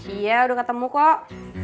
iya udah ketemu kok